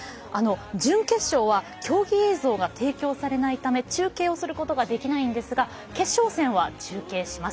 準決勝は競技映像が提供されないため中継をすることができないんですが決勝戦は中継します。